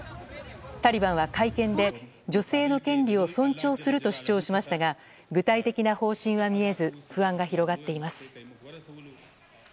タリバンは会見で女性の権利を尊重すると主張しましたが具体的な方針は見えず不安が広がっています。